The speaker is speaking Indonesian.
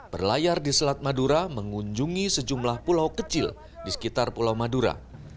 berlayar di selat madura mengunjungi sejumlah pulau kecil di sekitar pulau madura